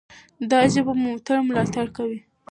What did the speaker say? دا ژبه به مو تل ملاتړ کوي.